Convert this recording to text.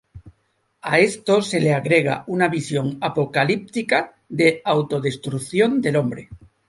A esto se le agrega una visión apocalíptica de autodestrucción del hombre.